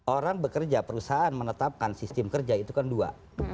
orang bekerja perusahaan menetapkan sistem kerja itu kan dua